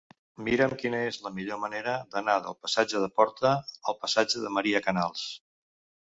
Mira'm quina és la millor manera d'anar del passatge de Porta al passatge de Maria Canals.